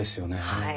はい。